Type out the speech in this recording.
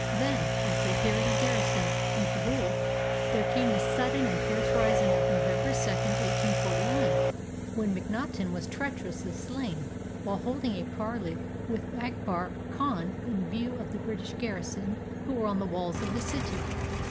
Then, after a period of garrison in Kabul, there came the sudden and fierce rising of November 2, 1 841, when Macnaughten was treacherously slain while holding a parley with Akbar Khan in view of the British garrison who were on the walls of the city.